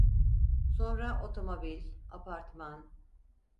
Sonra otomobil, apartman…